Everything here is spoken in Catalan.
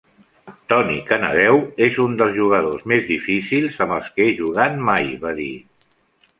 "Tony Canadeo és un dels jugadors més difícils amb els que he jugat mai", va dir.